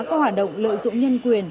các hoạt động lợi dụng nhân quyền